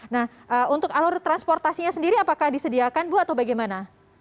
nah untuk alur transportasinya sendiri apakah disediakan bu atau bagaimana